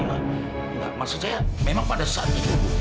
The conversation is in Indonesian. nah maksud saya memang pada saat itu